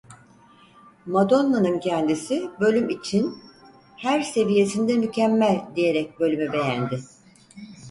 Madonna'nın kendisi bölüm için "her seviyesinde mükemmel" diyerek bölümü beğendi.